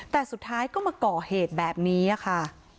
แต่สุดท้ายก็มาก่อเหตุแบบนี้ค่ะ